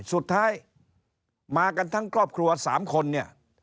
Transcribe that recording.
สุดท้ายมากันทั้งครอบครัว๓คนเนี่ย